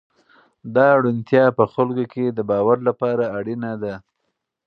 دا روڼتیا په خلکو کې د باور لپاره اړینه ده.